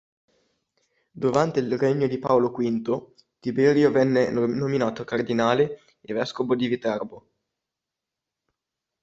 Durante il regno di Paolo V, Tiberio venne nominato cardinale e vescovo di Viterbo.